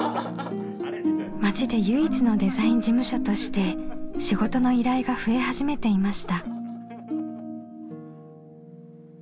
町で唯一のデザイン事務所として仕事の依頼が増え始めていました。